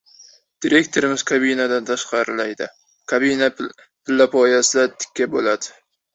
Direktorimiz kabinadan tashqarilaydi. Kabina pillapoyasida tikka bo‘ladi.